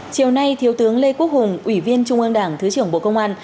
chiều nay thiếu tướng lê quốc hùng ủy viên trung ương đảng thứ trưởng bộ công an